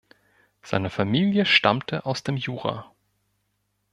Seine Familie stammte aus dem Jura.